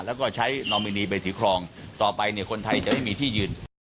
แล้วก็ใช้นอมินีไปถือครองต่อไปเนี่ยคนไทยจะไม่มีที่ยืน